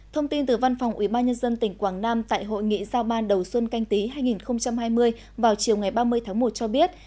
thông tin từ văn phòng ubnd tỉnh quảng nam tại hội nghị giao ban đầu xuân canh tí hai nghìn hai mươi vào chiều ngày ba mươi tháng một cho biết